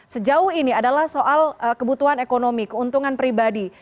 sejauh ini adalah soal kebutuhan ekonomi keuntungan pribadi